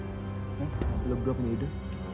eh lo berdua punya ide